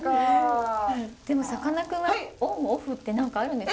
でもさかなクンはオンオフって何かあるんですか？